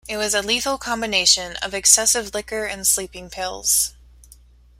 It was a lethal combination of excessive liquor and sleeping pills.